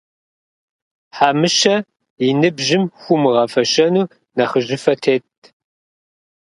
Хьэмыщэ и ныбжьым хуумыгъэфэщэну нэхъыжьыфэ тетт.